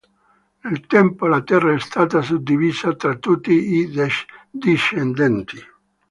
Nel tempo, la terra è stata suddivisa tra tutti i discendenti.